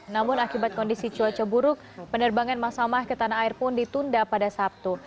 namun akibat kondisi cuaca buruk penerbangan masamah ke tanah air pun ditunda pada sabtu